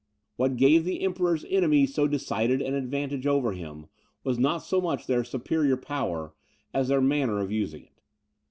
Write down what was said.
What gave the Emperor's enemy so decided an advantage over him, was not so much their superior power, as their manner of using it.